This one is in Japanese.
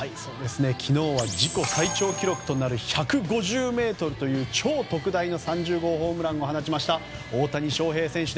昨日は自己最長記録となる１５０ｍという超特大の３０号ホームランを放ちました大谷翔平選手。